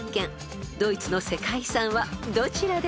［ドイツの世界遺産はどちらでしょう？］